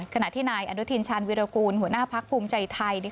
ขณะที่นายอนุทินชาญวิรากูลหัวหน้าพักภูมิใจไทย